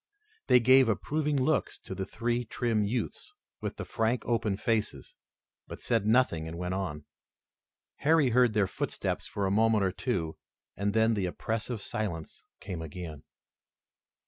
They gave approving looks to the three trim youths, with the frank open faces, but said nothing and went on. Harry heard their footsteps for a moment or two, and then the oppressive silence came again.